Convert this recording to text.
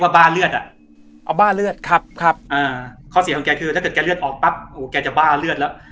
คือถ้าเกิดแกเลือดออกปั๊บโอ้โหแกจะบ้าเลือดละ